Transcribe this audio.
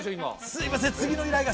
すいません次の依頼が。